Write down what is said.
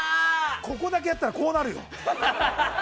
ここだけやったら、こうなるよ。